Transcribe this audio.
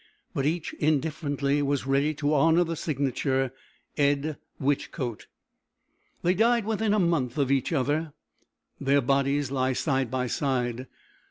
But each indifferently was ready to honour the signature, Ed. Whichcote. They died within a month of each other. Their bodies lie side by side.